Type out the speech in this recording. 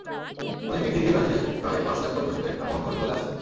Olympic দেখতে ব্রাজিলে প্রায় পাঁচ লাখ পর্যটকের আগমন ঘটবে বলে আশা।